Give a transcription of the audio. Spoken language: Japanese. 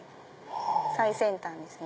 最先端ですよね。